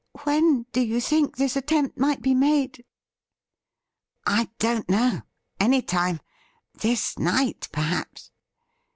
When do you think this attempt might be made ?'' I don't know. Any time. This night, perhaps.'